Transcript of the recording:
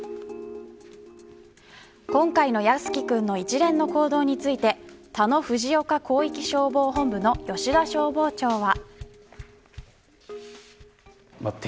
今回の靖宜君の一連の行動について多野藤岡広域消防本部の吉田消防長は。